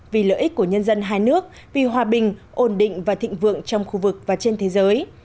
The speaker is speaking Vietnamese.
vì lợi ích của nhân dân hai nước vì hòa bình ổn định và thịnh vượng trong khu vực và trên thế giới